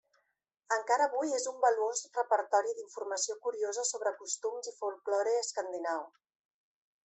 Encara avui és un valuós repertori d'informació curiosa sobre costums i folklore escandinau.